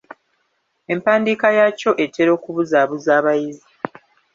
Empandiika yaakyo etera okubuzaabuza abayizi.